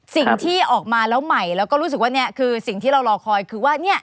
สิ่งที่ออกมาแล้วใหม่แล้วก็รู้สึกว่านี่คือสิ่งที่เรารอคอยคือว่า